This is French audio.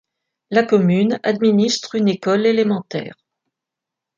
La commune administre une école élémentaire.